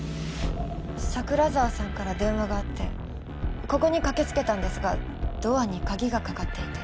桜沢さんから電話があってここに駆け付けたんですがドアに鍵がかかっていて。